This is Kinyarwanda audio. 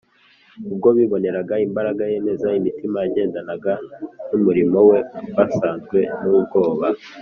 Ubwo biboneraga imbaraga yemeza imitima yagendanaga n’umurimo We basazwe n’ubwoba